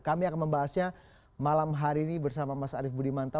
kami akan membahasnya malam hari ini bersama mas arief budimanta